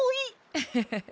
アハハハ。